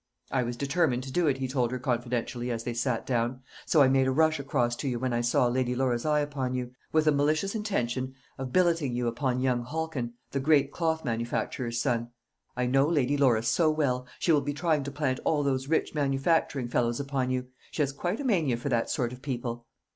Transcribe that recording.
"I was determined to do it," he told her confidentially, as they sat down; "so I made a rush across to you when I saw Lady Laura's eye upon you, with a malicious intention of billeting you upon young Halkin, the great cloth manufacturer's son. I know Lady Laura so well; she will be trying to plant all those rich manufacturing fellows upon you; she has quite a mania for that sort of people."